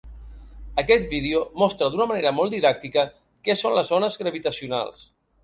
Aquest vídeo mostra d’una manera molt didàctica què són les ones gravitacionals.